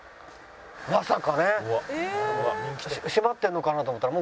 まさかね。